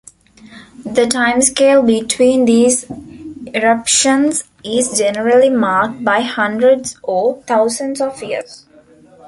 The timescale between these eruptions is generally marked by hundreds or thousands of years.